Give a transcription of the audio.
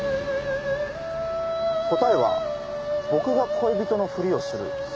答えは僕が恋人のふりをする。